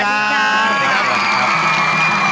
สวัสดีครับ